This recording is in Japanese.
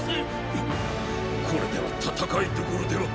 くこれでは戦いどころでは！